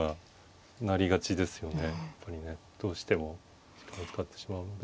本当にねどうしても時間を使ってしまうんで。